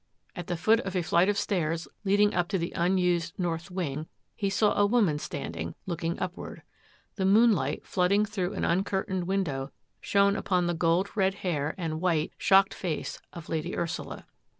At the foot of a flight of stairs leading up to the unused north wing he saw a woman standing, look ing upward. The moonlight, flooding through an uncurtained window, shone upon the gold red hair and white, shocked face of Lady Ursula.